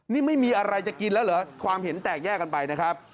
นี่ไม่มีอะไรจะกินแล้วเหรอความเห็นแตกแยกกันไปนะครับ